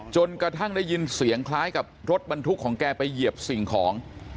จนกระทั่งได้ยินเสียงคล้ายกับรถบรรทุกของแกไปเหยียบสิ่งของ